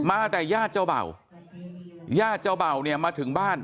แต่ญาติเจ้าเบ่าญาติเจ้าเบ่าเนี่ยมาถึงบ้าน